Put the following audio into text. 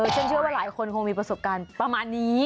ฉันเชื่อว่าหลายคนคงมีประสบการณ์ประมาณนี้